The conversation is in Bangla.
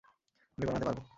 আমি বানাতে পারবো।